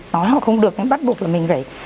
nói họ không được nên bắt buộc là mình phải